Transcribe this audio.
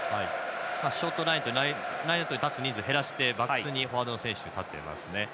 ラインアウトに立つ人数を減らしてバックスにフォワードの選手が立っていますね。